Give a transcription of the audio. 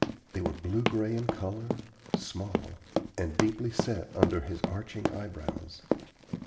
They were blue gray in color, small, and deeply set under his arching eye brows.